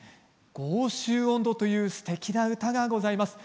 「江州音頭」というすてきな唄がございます。